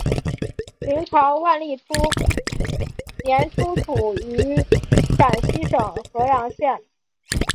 明朝万历初年出土于陕西省郃阳县。